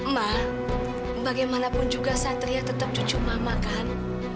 mak bagaimanapun juga satria tetap cucu mama kan